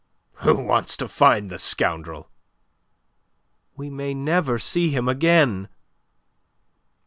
"Who wants to find the scoundrel?" "We may never see him again."